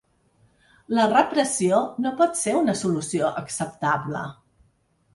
La repressió no pot ser una solució acceptable.